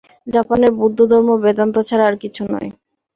জাপানের বৌদ্ধধর্ম বেদান্ত ছাড়া আর কিছু নয়।